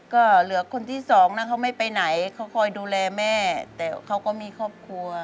ก็เหลือคนที่สองนะเขาไม่ไปไหนเขาคอยดูแลแม่แต่เขาก็มีครอบครัว